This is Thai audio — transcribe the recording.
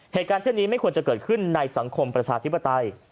เหตุการณ์เช่นนี้ไม่ควรจะเกิดขึ้นในสังคมประชาธิปไตย